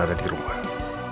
itu dia apa ya